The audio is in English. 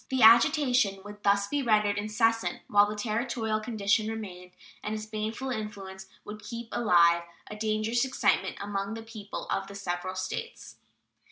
The agitation would thus be rendered incessant whilst the Territorial condition remained, and its baneful influence would keep alive a dangerous excitement among the people of the several States.